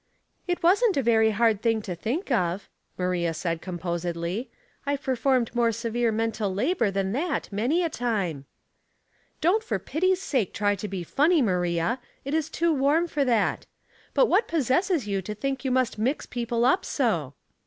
" It wasn't a very hard thing to think of,' Maria said, composedly. '' I've performed more severe mental labor than that many a time." '' Don't for pity's sake try to be funny, Maria; it is too warm for that. But what possesses you to think you must mix people up so